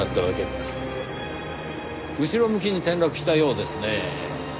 後ろ向きに転落したようですねぇ。